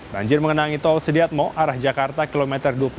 banjir mengenangi tol sediatmo arah jakarta kilometer dua puluh satu